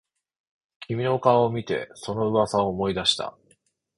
君の顔を見てその噂を思い出した